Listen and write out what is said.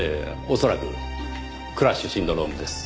恐らくクラッシュシンドロームです。